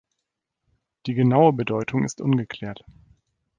Die genaue Bedeutung ist ungeklärt.